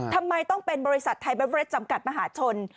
ทำไมต้องเป็นบริษัทไทยเบเรสจำกัดมหาชน